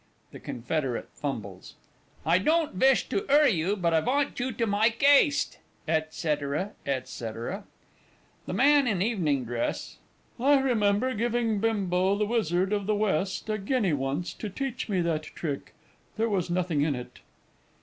(The Confederate fumbles.) I don't vish to 'urry you but I vant you to mike 'aste &c., &c. THE MAN IN EVENING DRESS. I remember giving Bimbo, the Wizard of the West, a guinea once to teach me that trick there was nothing in it.